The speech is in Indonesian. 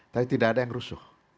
tapi tidak ada yang rusuh